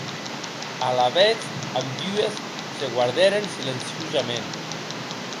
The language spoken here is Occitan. Alavetz ambdues se guardèren silenciosament.